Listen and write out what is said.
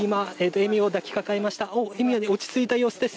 エミューは落ち着いた様子です。